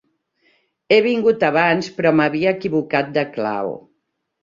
He vingut abans, però m'havia equivocat de clau.